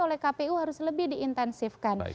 oleh kpu harus lebih diintensifkan